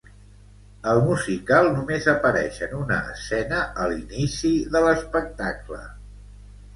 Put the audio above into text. Al musical només apareix en una escena a l'inici de l'espectacle.